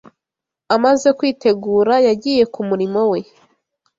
Amaze kwitegura, yagiye ku murimo we